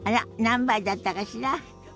何杯だったかしら？